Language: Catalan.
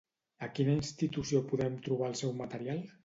A quina institució podem trobar el seu material?